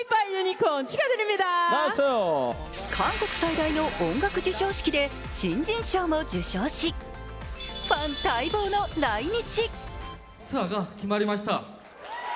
韓国最大の音楽授賞式で新人賞を受賞し、ファン待望の来日。